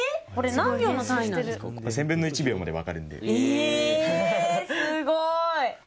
えすごい。